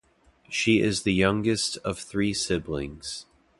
She is the youngest of three siblings.